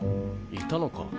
いたのか。